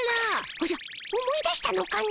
おじゃ思い出したのかの。